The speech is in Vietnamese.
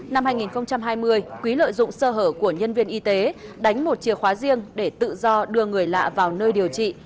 năm hai nghìn hai mươi quý lợi dụng sơ hở của nhân viên y tế đánh một chìa khóa riêng để tự do đưa người lạ vào nơi điều trị